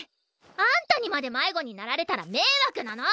あんたにまで迷子になられたらめいわくなの！